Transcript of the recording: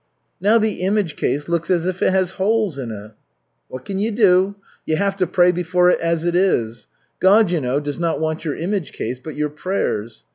"Now the image case looks as if it has holes in it." "What can you do? You'll have to pray before it as it is. God, you know, does not want your image case, but your prayers.